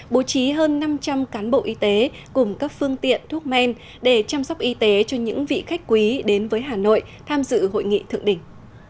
bố trí hơn năm trăm linh cán bộ y tế cùng các phương tiện thuốc men để chăm sóc y tế cho những vị khách quý đến với hà nội tham dự hội nghị thượng đỉnh